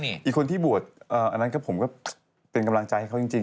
อีกคนที่บวชอันนั้นก็ผมก็เป็นกำลังใจให้เขาจริง